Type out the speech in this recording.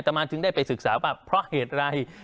มาจึงได้ไปศึกษาว่าเพราะเหตุอะไร